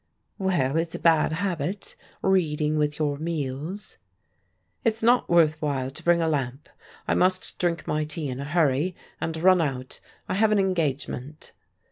"Well, it's a bad habit, reading with your meals." "It's not worth while to bring a lamp. I must drink my tea in a hurry, and run out. I have an engagement."